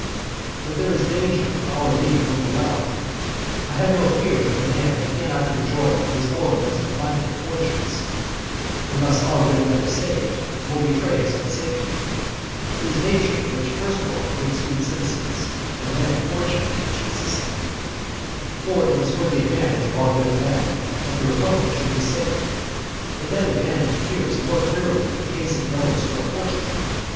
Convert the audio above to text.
VIII. But there is danger of our being overwhelmed. I have no fear that the man who cannot enjoy his own most abundant fortunes, unless all the good men are saved, will betray his own safety. It is nature which first makes good citizens, and then fortune assists them. For it is for the advantage of all good men that the republic should be safe; but that advantage appears more clearly in the case of those who are fortunate.